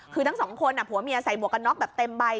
คือทั้งสองคนผัวเมียใส่หมวกกันน็อกแบบเต็มใบ